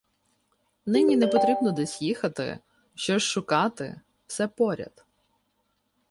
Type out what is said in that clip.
Нині не потрібно десь їхати, щось шукати, все поряд.